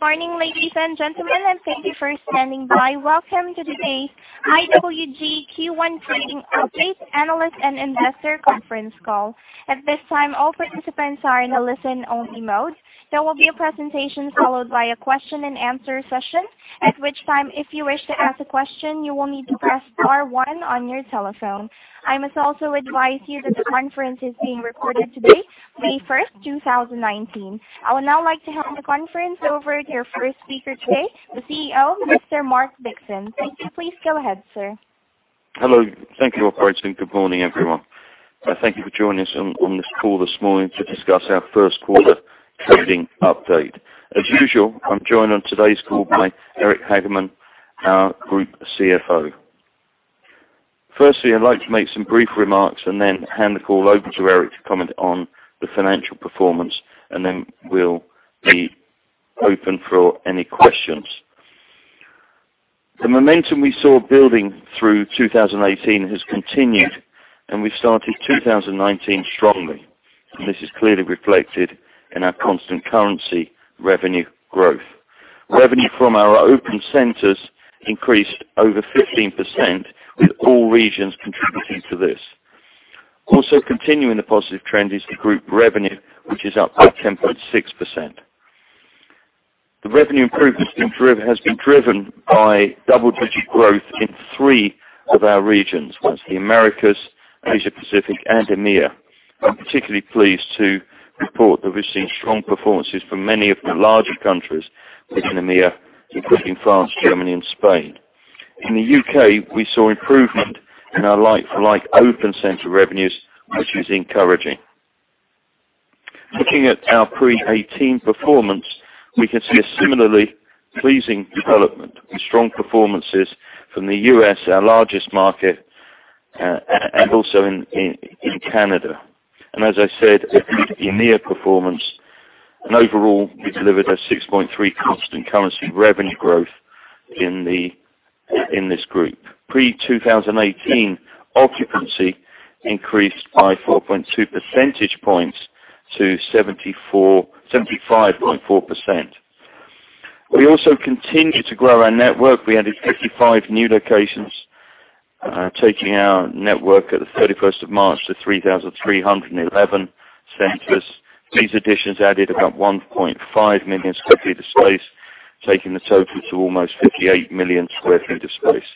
Good morning, ladies and gentlemen, and thank you for standing by. Welcome to today's IWG Q1 Trading Update Analyst and Investor Conference Call. At this time, all participants are in a listen-only mode. There will be a presentation followed by a question and answer session, at which time, if you wish to ask a question, you will need to press star one on your telephone. I must also advise you that the conference is being recorded today, May 1st, 2019. I would now like to hand the conference over to your first speaker today, the CEO, Mr. Mark Dixon. Thank you. Please go ahead, sir. Hello. Thank you, operator, and good morning, everyone. Thank you for joining us on this call this morning to discuss our first quarter trading update. As usual, I'm joined on today's call by Eric Hageman, our Group CFO. Firstly, I'd like to make some brief remarks and then hand the call over to Eric to comment on the financial performance, and then we'll be open for any questions. The momentum we saw building through 2018 has continued, and we started 2019 strongly. This is clearly reflected in our constant currency revenue growth. Revenue from our open centers increased over 15%, with all regions contributing to this. Also continuing the positive trend is the group revenue, which is up by 10.6%. The revenue improvement has been driven by double-digit growth in three of our regions, that's the Americas, Asia-Pacific, and EMEA. I'm particularly pleased to report that we've seen strong performances from many of the larger countries within EMEA, including France, Germany, and Spain. In the U.K., we saw improvement in our like-for-like open center revenues, which is encouraging. Looking at our pre-2018 performance, we can see a similarly pleasing development with strong performances from the U.S., our largest market, and also in Canada. As I said, a good EMEA performance. Overall, we delivered a 6.3 constant currency revenue growth in this group. Pre-2018 occupancy increased by 4.2 percentage points to 75.4%. We also continued to grow our network. We added 55 new locations, taking our network at the 31st of March to 3,311 centers. These additions added about 1.5 million sq ft of space, taking the total to almost 58 million sq ft of space.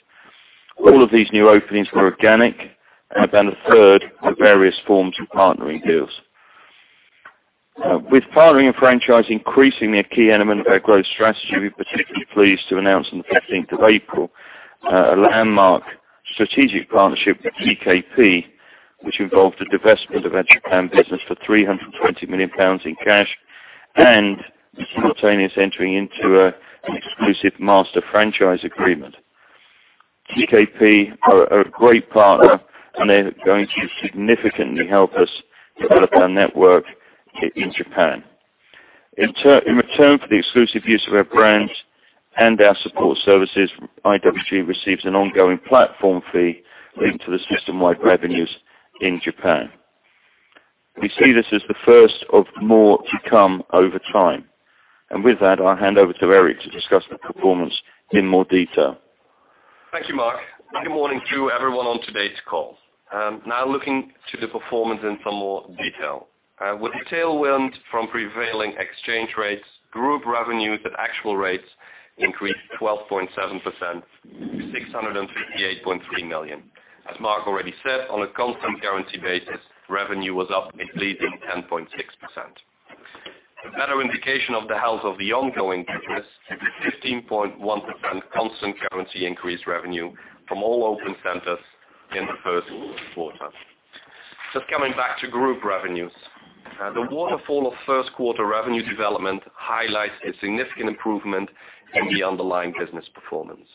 All of these new openings were organic and about a third were various forms of partnering deals. With partnering and franchise increasingly a key element of our growth strategy, we're particularly pleased to announce on the 15th of April, a landmark strategic partnership with TKP, which involved the divestment of our Japan business for 320 million pounds in cash and the simultaneous entering into an exclusive master franchise agreement. TKP are a great partner, and they're going to significantly help us develop our network in Japan. In return for the exclusive use of our brands and our support services, IWG receives an ongoing platform fee linked to the system-wide revenues in Japan. We see this as the first of more to come over time. With that, I'll hand over to Eric to discuss the performance in more detail. Thank you, Mark. Good morning to everyone on today's call. Looking to the performance in some more detail. With tailwind from prevailing exchange rates, group revenues at actual rates increased 12.7% to 658.3 million. As Mark already said, on a constant currency basis, revenue was up a pleasing 10.6%. A better indication of the health of the ongoing business, 15.1% constant currency increased revenue from all open centers in the first quarter. Coming back to group revenues. The waterfall of first quarter revenue development highlights a significant improvement in the underlying business performance.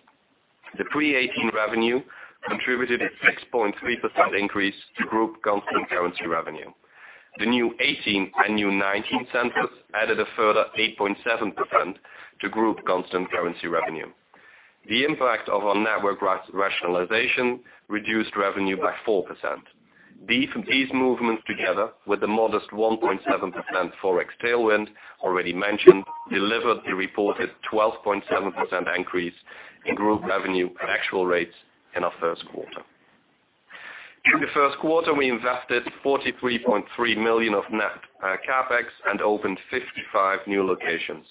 The pre-'18 revenue contributed a 6.3% increase to group constant currency revenue. The new '18 and new '19 centers added a further 8.7% to group constant currency revenue. The impact of our network rationalization reduced revenue by 4%. These movements together with the modest 1.7% Forex tailwind already mentioned, delivered the reported 12.7% increase in group revenue at actual rates in our first quarter. In the first quarter, we invested 43.3 million of net CapEx and opened 55 new locations.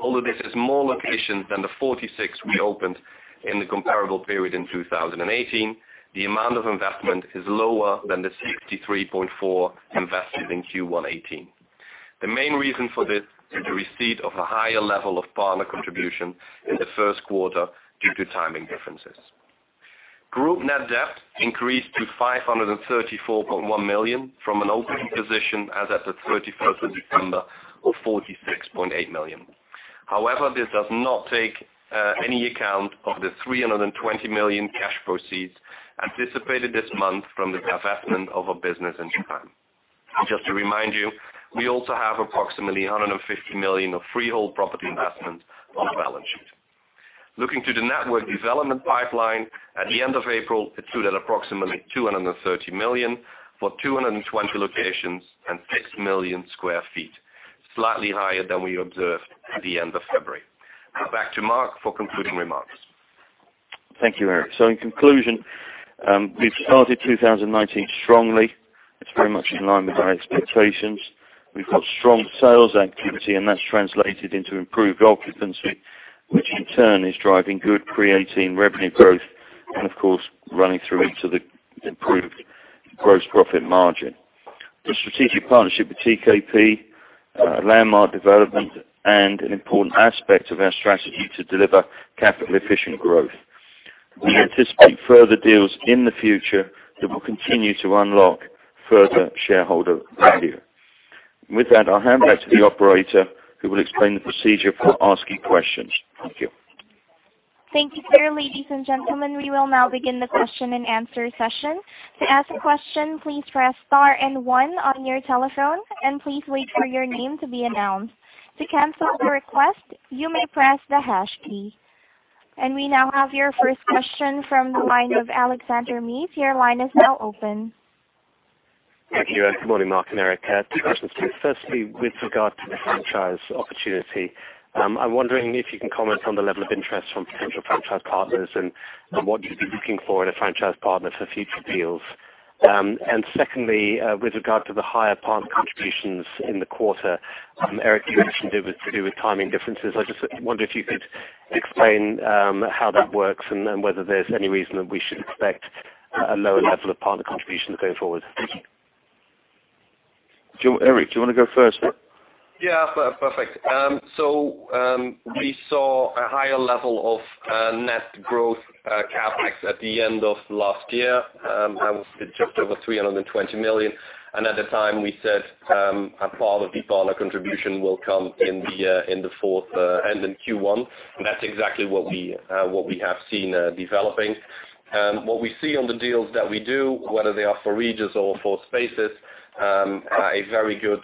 Although this is more locations than the 46 we opened in the comparable period in 2018, the amount of investment is lower than the 63.4 invested in Q1 '18. The main reason for this is the receipt of a higher level of partner contribution in the first quarter due to timing differences. Group net debt increased to 534.1 million from an opening position as at the 31st of December of 46.8 million. This does not take any account of the 320 million cash proceeds anticipated this month from the divestment of our business in Japan. Just to remind you, we also have approximately 150 million of freehold property investment on our balance sheet. Looking to the network development pipeline at the end of April, it stood at approximately 230 million for 220 locations and 6 million sq ft. Slightly higher than we observed at the end of February. Back to Mark for concluding remarks. Thank you, Eric. In conclusion, we've started 2019 strongly. It's very much in line with our expectations. We've got strong sales activity, and that's translated into improved occupancy, which in turn is driving good pre-'18 revenue growth, and of course, running through into the improved gross profit margin. The strategic partnership with TKP, landmark development, and an important aspect of our strategy to deliver capital-efficient growth. We anticipate further deals in the future that will continue to unlock further shareholder value. With that, I'll hand back to the operator, who will explain the procedure for asking questions. Thank you. Thank you, sir. Ladies and gentlemen, we will now begin the question and answer session. To ask a question, please press star and one on your telephone and please wait for your name to be announced. To cancel the request, you may press the hash key. We now have your first question from the line of Alexander Meads. Your line is now open. Thank you. Good morning, Mark and Eric. Two questions. Firstly, with regard to the franchise opportunity, I am wondering if you can comment on the level of interest from potential franchise partners, what you would be looking for in a franchise partner for future deals. Secondly, with regard to the higher partner contributions in the quarter, Eric, you mentioned it was to do with timing differences. I just wonder if you could explain how that works, whether there is any reason that we should expect a lower level of partner contributions going forward. Thank you. Eric, do you want to go first? Yeah, perfect. We saw a higher level of net growth CapEx at the end of last year. It was just over 320 million. At the time we said, a part of the partner contribution will come in the fourth and in Q1. That is exactly what we have seen developing. What we see on the deals that we do, whether they are for Regus or for Spaces, a very good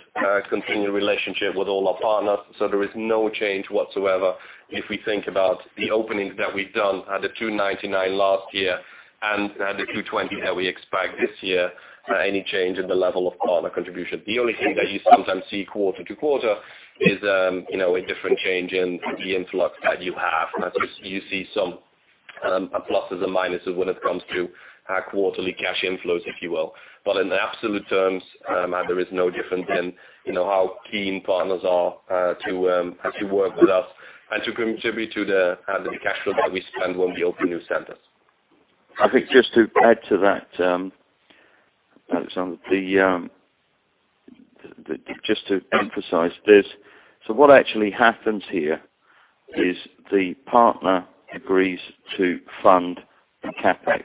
continuing relationship with all our partners. There is no change whatsoever if we think about the openings that we have done at the 299 last year and at the 220 that we expect this year, any change in the level of partner contribution. The only thing that you sometimes see quarter-to-quarter is a different change in the influx that you have. That's just you see some pluses and minuses when it comes to quarterly cash inflows, if you will. In the absolute terms, there is no difference in how keen partners are to work with us and to contribute to the cash flow that we spend when we open new centers. I think just to add to that, Alexander, just to emphasize this. What actually happens here is the partner agrees to fund the CapEx.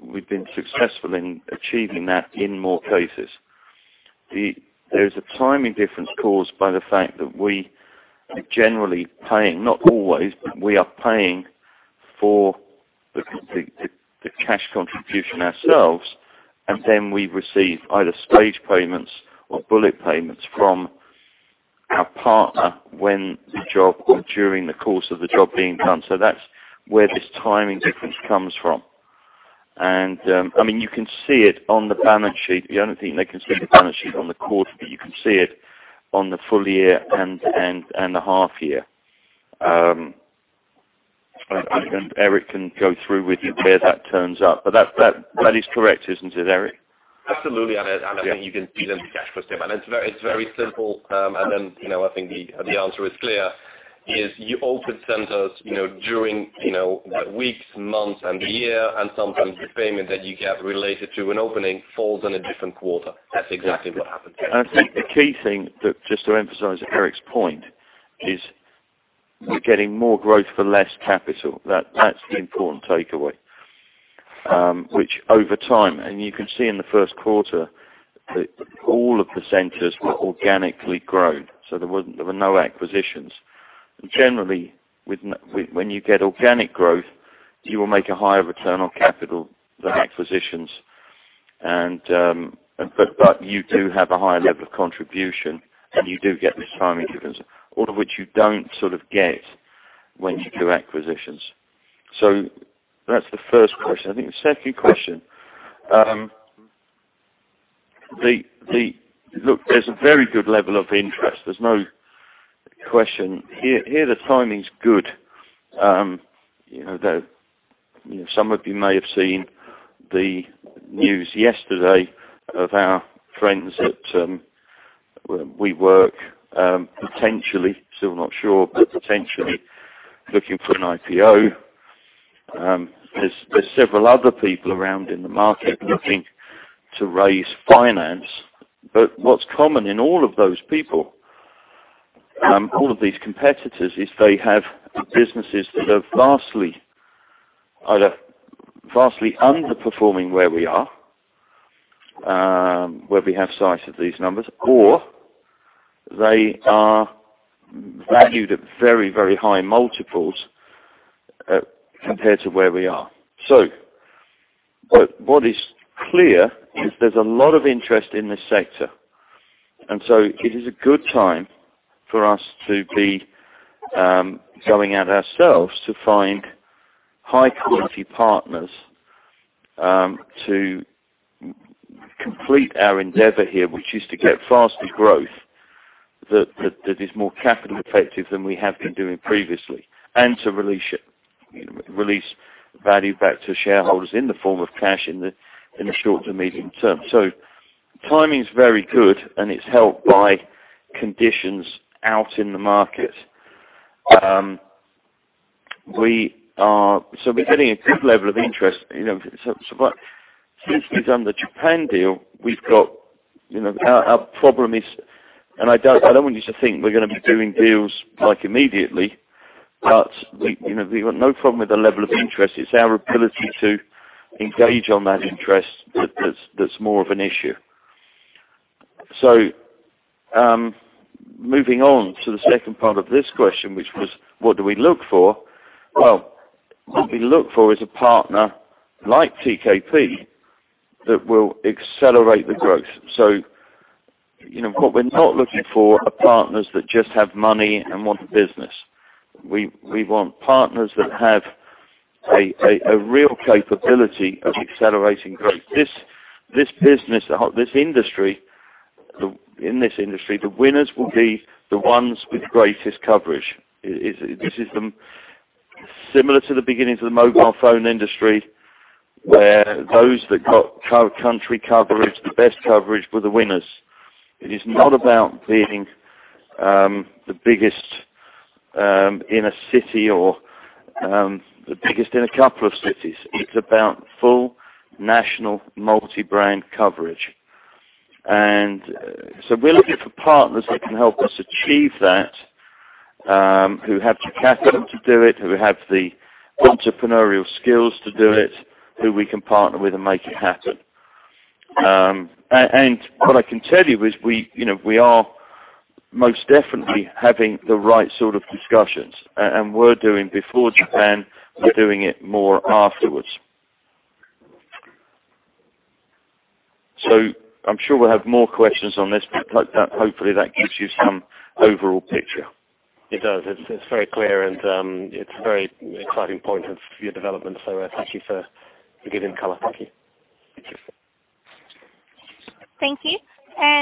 We've been successful in achieving that in more cases. There is a timing difference caused by the fact that we are generally paying, not always, but we are paying for the cash contribution ourselves, and then we receive either stage payments or bullet payments from our partner when the job or during the course of the job being done. That's where this timing difference comes from. You can see it on the balance sheet. You don't think they can see the balance sheet on the quarter, but you can see it on the full year and the half year. Eric can go through with you where that turns up. That is correct, isn't it, Eric? Absolutely. I think you can see them cash positive, and it's very simple. I think the answer is clear, is you open centers during weeks, months, and year, and sometimes the payment that you get related to an opening falls in a different quarter. That's exactly what happens. I think the key thing, just to emphasize Eric's point, is we're getting more growth for less capital. That's the important takeaway, which over time, you can see in the first quarter that all of the centers were organically grown, so there were no acquisitions. Generally, when you get organic growth, you will make a higher return on capital than acquisitions. You do have a higher level of contribution, and you do get this timing difference, all of which you don't sort of get when you do acquisitions. That's the first question. I think the second question. Look, there's a very good level of interest. There's no question. Here, the timing's good. Some of you may have seen the news yesterday of our friends at WeWork, potentially, still not sure, but potentially looking for an IPO. There's several other people around in the market looking to raise finance. What's common in all of those people, all of these competitors, is they have businesses that are vastly underperforming where we are, where we have sight of these numbers, or they are valued at very, very high multiples compared to where we are. What is clear is there's a lot of interest in this sector, and it is a good time for us to be going out ourselves to find high-quality partners to complete our endeavor here, which is to get faster growth that is more capital effective than we have been doing previously, and to release value back to shareholders in the form of cash in the short to medium term. Timing is very good, and it's helped by conditions out in the market. We're getting a good level of interest. Since we've done the Japan deal, our problem is, and I don't want you to think we're going to be doing deals immediately, but we've got no problem with the level of interest. It's our ability to engage on that interest that's more of an issue. Moving on to the second part of this question, which was, what do we look for? What we look for is a partner like TKP that will accelerate the growth. What we're not looking for are partners that just have money and want the business. We want partners that have a real capability of accelerating growth. In this industry, the winners will be the ones with greatest coverage. This is similar to the beginnings of the mobile phone industry, where those that got country coverage, the best coverage, were the winners. It is not about being the biggest in a city or the biggest in a couple of cities. It's about full national multi-brand coverage. We're looking for partners that can help us achieve that, who have the capital to do it, who have the entrepreneurial skills to do it, who we can partner with and make it happen. What I can tell you is we are most definitely having the right sort of discussions. Were doing before Japan, are doing it more afterwards. I'm sure we'll have more questions on this, but hopefully that gives you some overall picture. It does. It's very clear, and it's a very exciting point of your development. Thank you for giving color. Thank you. Thank you.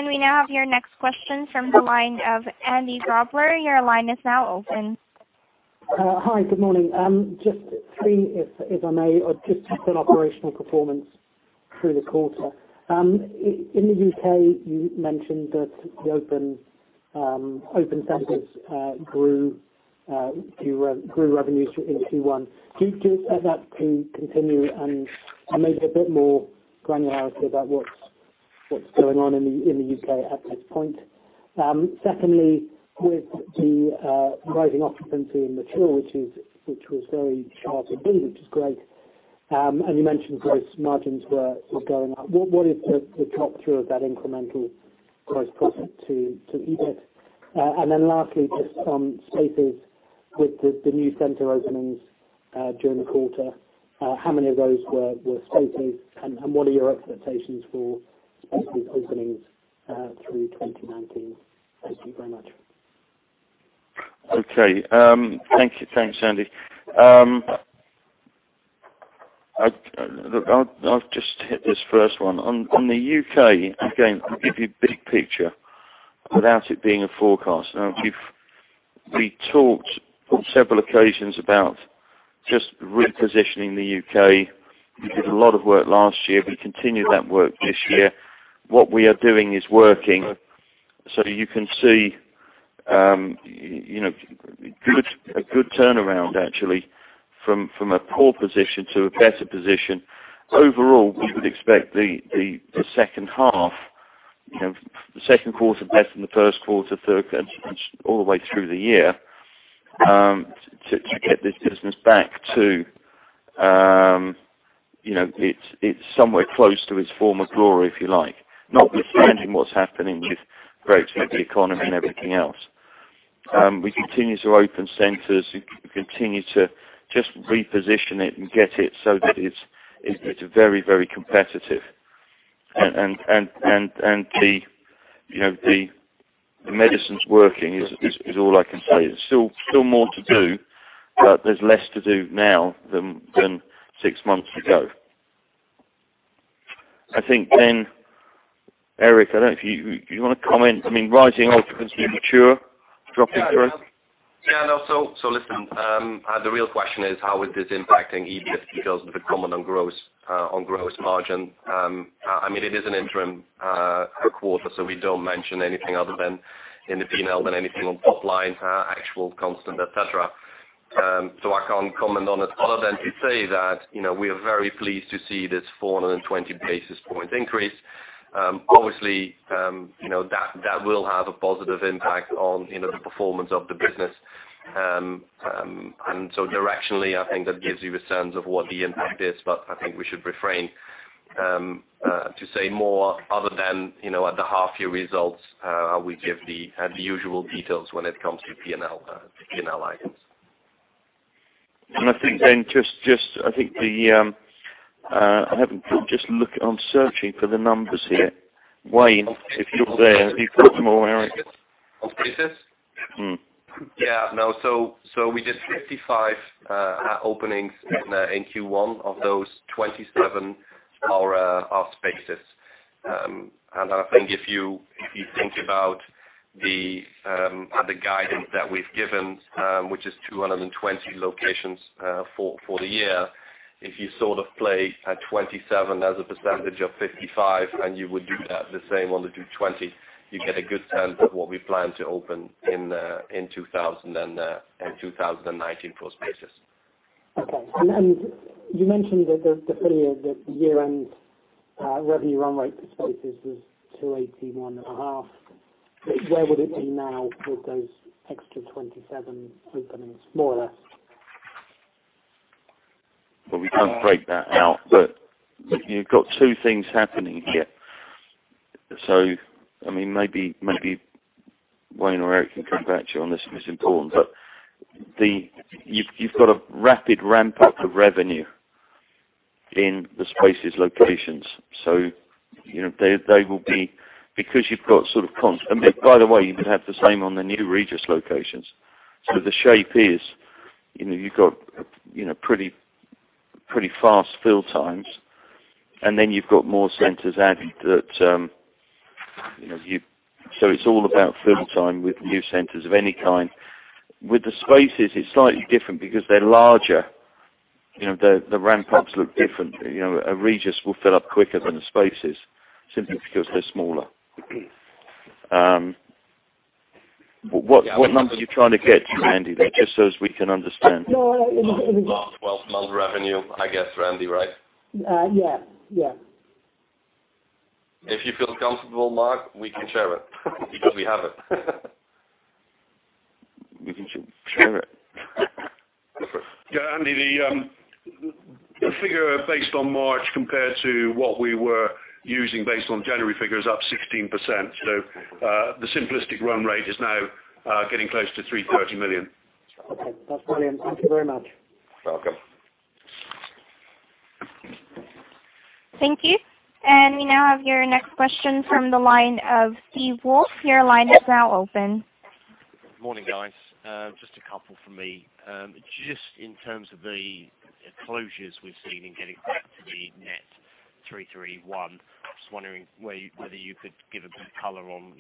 We now have your next question from the line of Andy Grobler. Your line is now open. Hi, good morning. Just three, if I may, just on operational performance through the quarter. In the U.K., you mentioned that the open centers grew revenues in Q1. Do you expect that to continue? Maybe a bit more granularity about what's going on in the U.K. at this point. Secondly, with the rising occupancy in mature, which was very chartable, which is great. You mentioned gross margins were going up. What is the drop through of that incremental gross profit to EBIT? Lastly, just on Spaces with the new center openings during the quarter, how many of those were Spaces, and what are your expectations for Spaces openings through 2019? Thank you very much. Okay. Thanks, Andy. I'll just hit this first one. On the U.K., again, I'll give you big picture without it being a forecast. We talked on several occasions about just repositioning the U.K. We did a lot of work last year. We continued that work this year. What we are doing is working. You can see a good turnaround, actually, from a poor position to a better position. Overall, we would expect the second half, the second quarter better than the first quarter, third, all the way through the year, to get this business back to somewhere close to its former glory, if you like. Notwithstanding what's happening with Brexit, the economy, and everything else. We continue to open centers. We continue to just reposition it and get it so that it's very competitive. The medicine's working is all I can say. There's still more to do, there's less to do now than six months ago. I think, Eric, I don't know if you want to comment. Rising occupancy in mature, drop in growth. Listen, the real question is how is this impacting EBIT because of the comment on gross margin. It is an interim quarter, we don't mention anything other than in the P&L than anything on top line, actual constant, et cetera. I can't comment on it other than to say that we are very pleased to see this 420 basis point increase. Obviously, that will have a positive impact on the performance of the business. Directionally, I think that gives you a sense of what the impact is, but I think we should refrain to say more other than at the half year results, we give the usual details when it comes to P&L items. I think then, I'm searching for the numbers here. Wayne, if you're there, have you got them, or Eric? Of Spaces? Yeah, no. We did 55 openings in Q1. Of those, 27 are Spaces. I think if you think about the other guidance that we've given, which is 220 locations for the year, if you sort of play at 27 as a percentage of 55, you would do the same on the 220, you get a good sense of what we plan to open in 2019 for Spaces. Okay. You mentioned that the year-end revenue run rate for Spaces was 281.5. Where would it be now with those extra 27 openings, more or less? Well, we don't break that out. You've got two things happening here. Maybe Wayne or Eric can come back to you on this, and it's important. You've got a rapid ramp-up of revenue in the Spaces locations. Because you've got sort of cons-- By the way, you would have the same on the new Regus locations. The shape is, you've got pretty fast fill times, and then you've got more centers added. It's all about fill time with new centers of any kind. With the Spaces, it's slightly different because they're larger. The ramp-ups look different. A Regus will fill up quicker than a Spaces, simply because they're smaller. What numbers are you trying to get, Andy? Just so as we can understand. No. 12-month revenue, I guess, Andy, right? Yeah. If you feel comfortable, Mark, we can share it because we have it. You can share it. Andy, the figure based on March compared to what we were using based on January figure is up 16%. The simplistic run rate is now getting close to 330 million. That's brilliant. Thank you very much. Welcome. Thank you. We now have your next question from the line of Steve Wolf. Your line is now open. Morning, guys. Just a couple from me. Just in terms of the closures we've seen in getting back to the net 331, just wondering whether you could give a bit of color on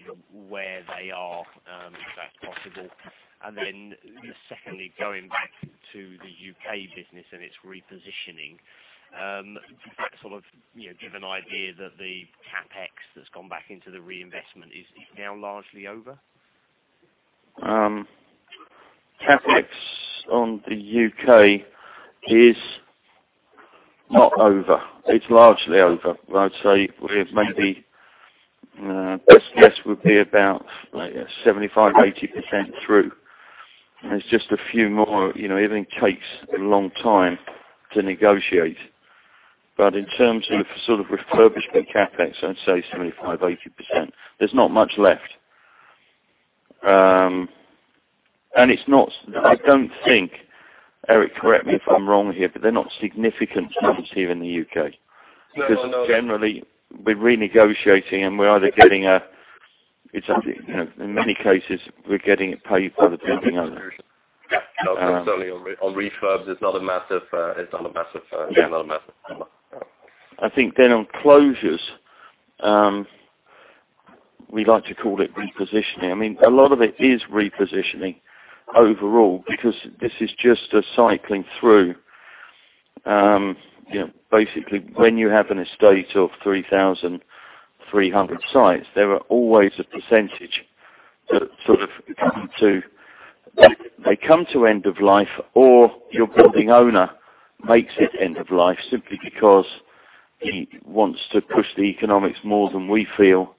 where they are, if that's possible. Secondly, going back to the U.K. business and its repositioning, can you give an idea that the CapEx that's gone back into the reinvestment is now largely over? CapEx on the U.K. is not over. It's largely over. I'd say we're maybe, best guess would be about 75%-80% through. There's just a few more. Everything takes a long time to negotiate. In terms of refurbishment CapEx, I'd say 75%-80%. There's not much left. I don't think, Eric, correct me if I'm wrong here, but they're not significant sums here in the U.K. No. Generally, we're renegotiating. In many cases, we're getting it paid for the building owner. Yeah. Certainly on refurbs, it's not a massive- Yeah. It's not a massive number. I think on closures, we like to call it repositioning. A lot of it is repositioning overall because this is just a cycling through. Basically, when you have an estate of 3,300 sites, there are always a percentage that sort of come to end of life, or your building owner makes it end of life simply because he wants to push the economics more than we feel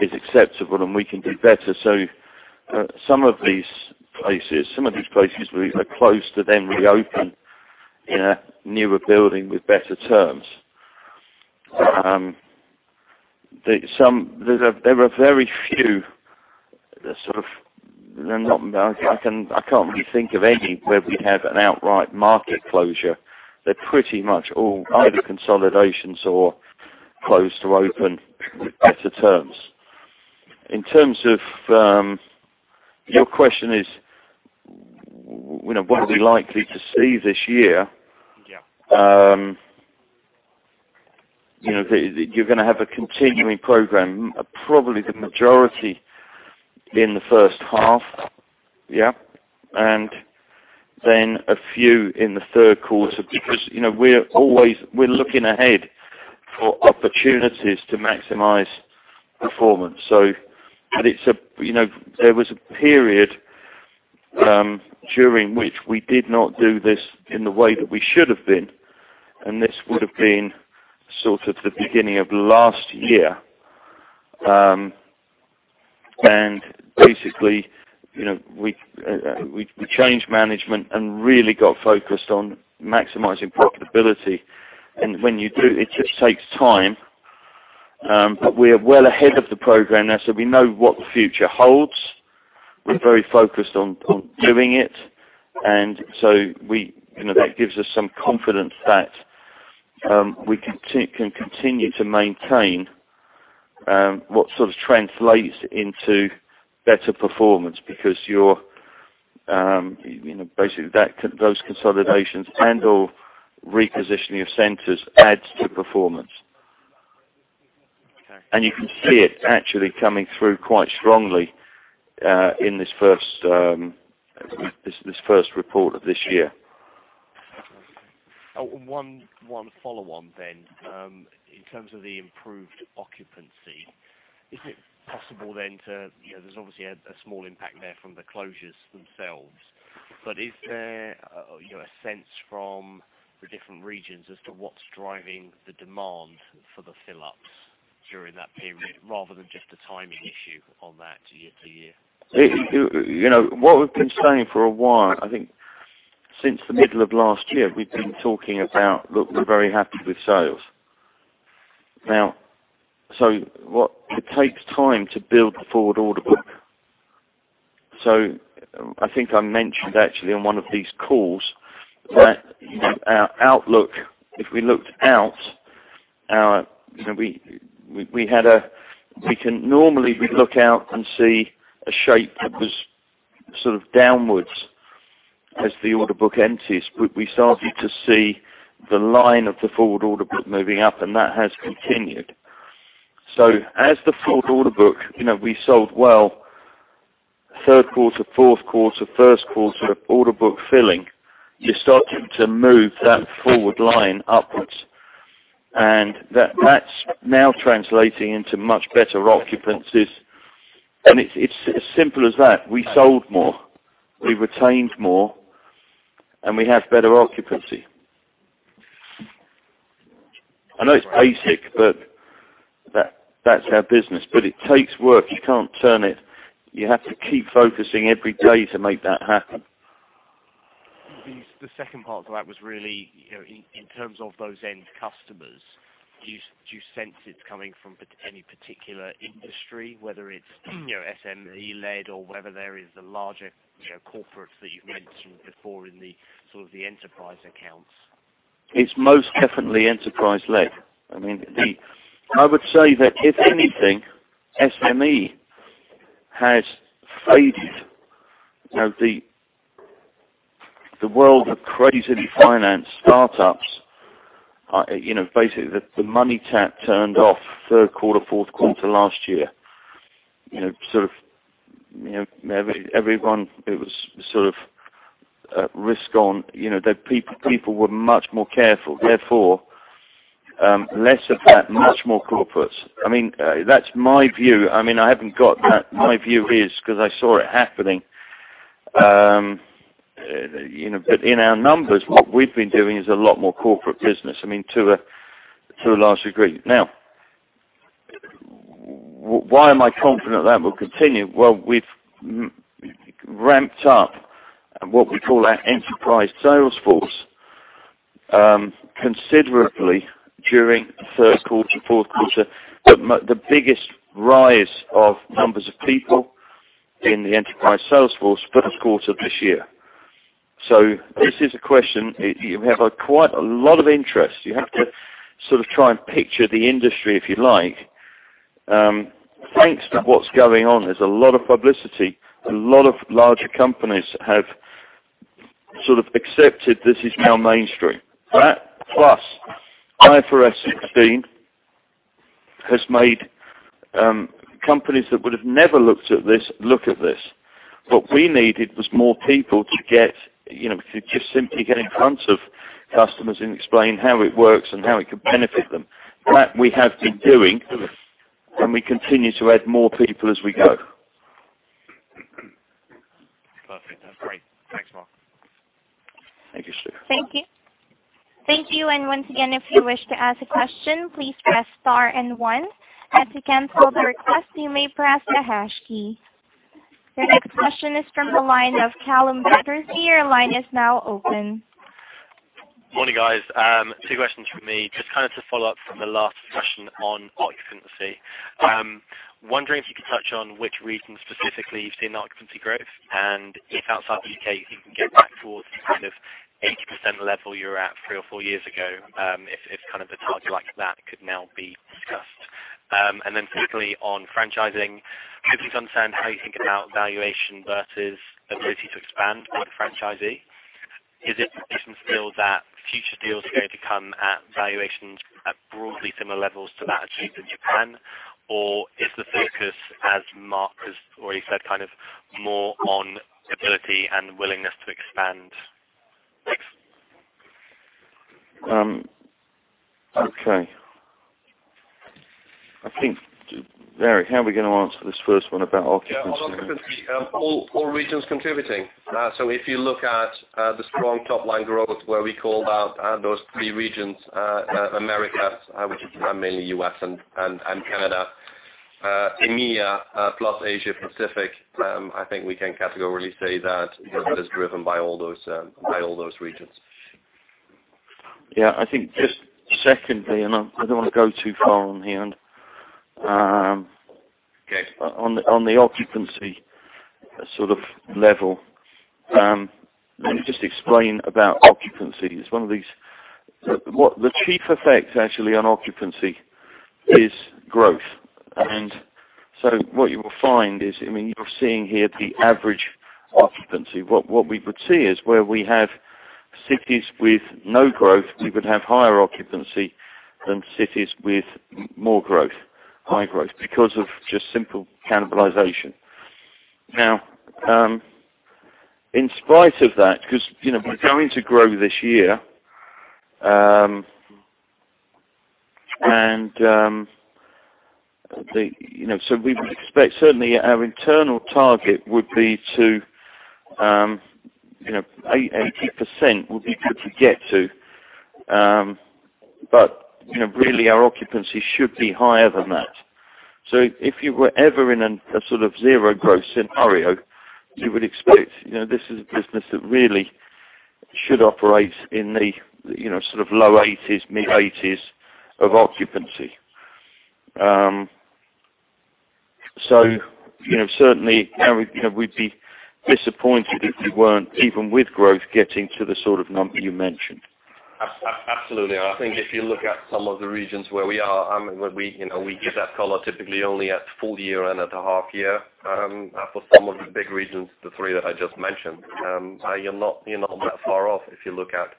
is acceptable, and we can do better. Some of these places we either close to then reopen in a newer building with better terms. There are very few. I can't really think of any where we have an outright market closure. They're pretty much all either consolidations or close to open with better terms. In terms of, your question is, what are we likely to see this year? Yeah. You're going to have a continuing program, probably the majority in the first half. Yeah. A few in the third quarter, because we're looking ahead for opportunities to maximize performance. There was a period during which we did not do this in the way that we should have been, and this would have been sort of the beginning of last year. Basically, we changed management and really got focused on maximizing profitability. When you do, it just takes time. We are well ahead of the program now. We know what the future holds. We're very focused on doing it, that gives us some confidence that we can continue to maintain what sort of translates into better performance, because basically those consolidations and/or repositioning of centers adds to performance. Okay. You can see it actually coming through quite strongly in this first report of this year. One follow on. In terms of the improved occupancy, is it possible then to, there's obviously a small impact there from the closures themselves, but is there a sense from the different regions as to what's driving the demand for the fill-ups during that period, rather than just a timing issue on that year-to-year? What we've been saying for a while, I think since the middle of last year, we've been talking about, look, we're very happy with sales. It takes time to build the forward order book. I think I mentioned actually on one of these calls that our outlook, if we looked out, we can normally look out and see a shape that was sort of downwards as the order book empties. We started to see the line of the forward order book moving up, and that has continued. As the forward order book, we sold well third quarter, fourth quarter, first quarter order book filling. You're starting to move that forward line upwards. That's now translating into much better occupancies. It's as simple as that. We sold more, we retained more, and we have better occupancy. I know it's basic, but that's our business. It takes work. You can't turn it. You have to keep focusing every day to make that happen. The second part to that was really in terms of those end customers. Do you sense it's coming from any particular industry, whether it's SME-led or whether there is the larger corporates that you've mentioned before in the sort of the enterprise accounts? It's most definitely enterprise-led. I would say that if anything, SME has faded. The world of crazily financed startups, basically the money tap turned off third quarter, fourth quarter last year. Everyone, it was sort of risk on. The people were much more careful. Therefore, less of that, much more corporates. That's my view. My view is, because I saw it happening. In our numbers, what we've been doing is a lot more corporate business, to a large degree. Now, why am I confident that will continue? Well, we've ramped up what we call our enterprise sales force, considerably during the third quarter, fourth quarter. The biggest rise of numbers of people in the enterprise sales force first quarter of this year. This is a question, we have quite a lot of interest. You have to sort of try and picture the industry, if you like. Thanks to what's going on, there's a lot of publicity. A lot of larger companies have sort of accepted this is now mainstream. That plus IFRS 16 has made companies that would have never looked at this look at this. What we needed was more people to just simply get in front of customers and explain how it works and how it could benefit them. That we have been doing, and we continue to add more people as we go. Perfect. That's great. Thanks, Mark. Thank you, Steve. Thank you. Thank you, once again, if you wish to ask a question, please press star and one. To cancel the request, you may press the hash key. The next question is from the line of Callum McCarthy. Your line is now open. Morning, guys. Two questions from me. Just kind of to follow up from the last question on occupancy. Wondering if you could touch on which regions specifically you've seen occupancy growth, and if outside the U.K., you can get back towards the kind of 80% level you were at three or four years ago, if kind of a target like that could now be discussed. Then secondly, on franchising, could please understand how you think about valuation versus ability to expand with franchisee. Is it the position still that future deals are going to come at valuations at broadly similar levels to that achieved in Japan? Or is the focus, as Mark has already said, kind of more on ability and willingness to expand? Thanks. Okay. I think, Eric, how are we going to answer this first one about occupancy? Yeah, on occupancy, all regions contributing. If you look at the strong top-line growth where we called out those three regions, America, which is mainly U.S. and Canada, EMEA plus Asia Pacific, I think we can categorically say that it is driven by all those regions. Yeah, I think just secondly, I don't want to go too far on here. Okay. On the occupancy sort of level, let me just explain about occupancy. It's one of these. The chief effect, actually, on occupancy is growth. What you will find is, you're seeing here the average occupancy. What we would see is where we have cities with no growth, we would have higher occupancy than cities with more growth, high growth, because of just simple cannibalization. In spite of that, because we're going to grow this year, we would expect certainly our internal target would be to, 80% would be good to get to. Really, our occupancy should be higher than that. If you were ever in a sort of zero-growth scenario, you would expect, this is a business that really should operate in the sort of low eighties, mid-eighties of occupancy. Certainly, we'd be disappointed if we weren't, even with growth, getting to the sort of number you mentioned. Absolutely. I think if you look at some of the regions where we are, we give that color typically only at full year and at a half year. For some of the big regions, the three that I just mentioned, you're not that far off if you look at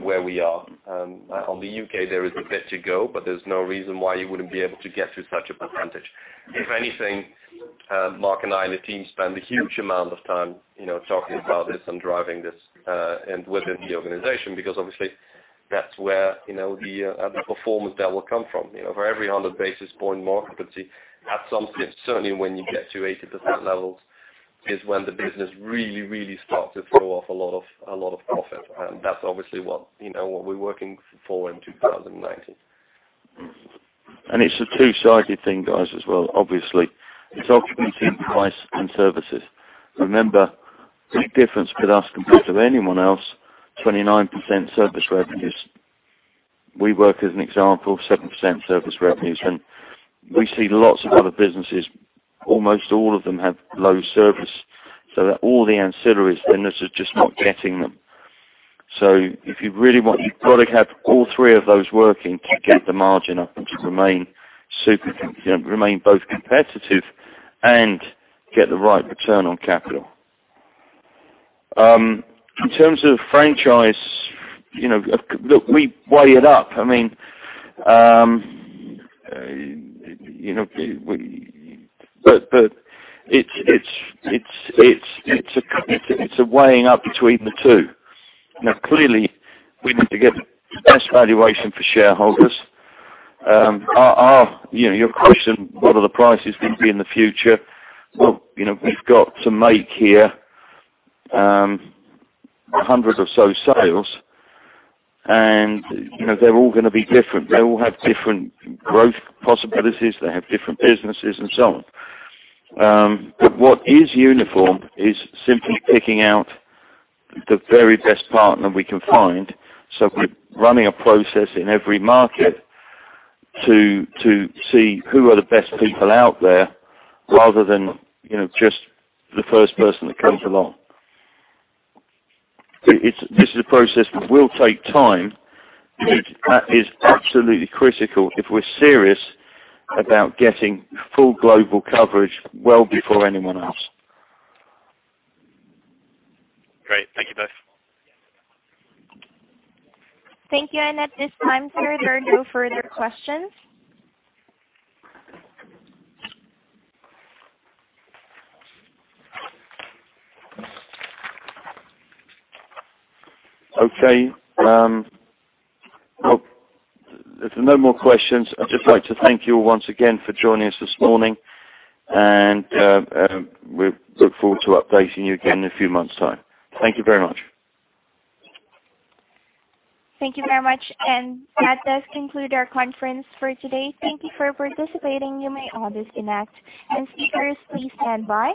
where we are. On the U.K., there is a bit to go, there's no reason why you wouldn't be able to get to such a percentage. If anything, Mark and I and the team spend a huge amount of time talking about this and driving this within the organization, because obviously that's where the performance there will come from. For every 100 basis point mark, you could see at some point, certainly when you get to 80% levels, is when the business really, really starts to throw off a lot of profit. That's obviously what we're working for in 2019. It's a two-sided thing, guys, as well, obviously. It's occupancy and price and services. Remember, big difference with us compared to anyone else, 29% service revenues. WeWork as an example, 7% service revenues, and we see lots of other businesses, almost all of them have low service, so that all the ancillaries, then this is just not getting them. If you really want, you've got to have all three of those working to get the margin up and to remain both competitive and get the right return on capital. In terms of franchise, look, we weigh it up. It's a weighing up between the two. Clearly, we need to get the best valuation for shareholders. Your question, what are the prices going to be in the future? Look, we've got to make here 100 or so sales, and they're all going to be different. They all have different growth possibilities. They have different businesses and so on. What is uniform is simply picking out the very best partner we can find. We're running a process in every market to see who are the best people out there rather than just the first person that comes along. This is a process that will take time, but that is absolutely critical if we're serious about getting full global coverage well before anyone else. Great. Thank you both. Thank you. At this time, sir, there are no further questions. Okay. If there's no more questions, I'd just like to thank you once again for joining us this morning, We look forward to updating you again in a few months' time. Thank you very much. Thank you very much. That does conclude our conference for today. Thank you for participating. You may all disconnect. Speakers, please stand by.